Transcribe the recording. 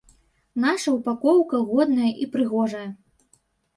Наша упакоўка годная і прыгожая.